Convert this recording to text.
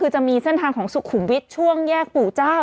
คือจะมีเส้นทางของสุขุมวิทย์ช่วงแยกปู่เจ้า